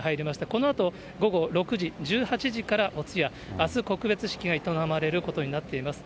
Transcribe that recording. このあと午後６時、１８時からお通夜、あす告別式が営まれることになっています。